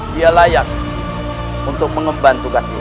dia layak untuk mengembang tugas kita